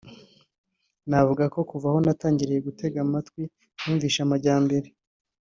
navuga ko kuva aho natangiriye gutega amatwi numvishe amajyambere